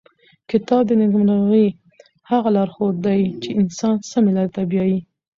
کتاب د نېکمرغۍ هغه لارښود دی چې انسان سمې لارې ته بیايي.